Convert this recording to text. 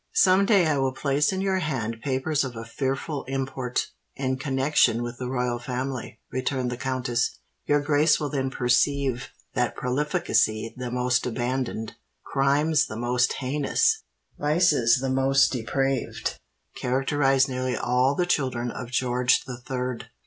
"Some day I will place in your hand papers of a fearful import, in connexion with the Royal Family," returned the countess. "Your grace will then perceive that profligacy the most abandoned—crimes the most heinous—vices the most depraved, characterised nearly all the children of George the Third.